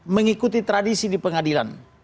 mengikuti tradisi di pengadilan